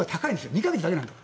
２か月だけなんです。